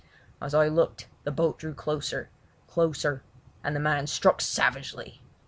As I looked the boat drew closer, closer, and the man struck savagely.